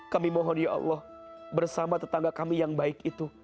kami mohon ya allah bersama tetangga kami yang baik itu